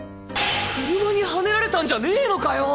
車にはねられたんじゃねえのかよ！？